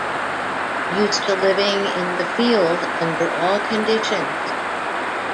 Used to living in the field under all conditions.